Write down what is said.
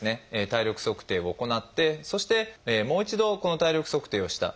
体力測定を行ってそしてもう一度この体力測定をした。